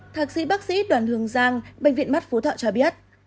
thạc sĩ bác sĩ đoàn hương giang bệnh viện mắt phú thọ cho biết